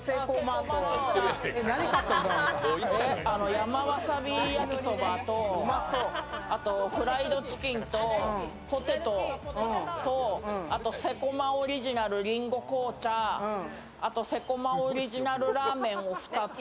山わさび焼きそばと、あとフライドチキンとポテトとセコマオリジナルりんご紅茶、あとセコマオリジナルラーメンを２つ。